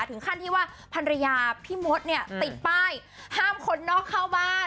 ถึงขั้นที่ว่าภรรยาพี่มดเนี่ยติดป้ายห้ามคนนอกเข้าบ้าน